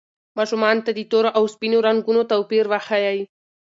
ماشومانو ته د تورو او سپینو رنګونو توپیر وښایئ.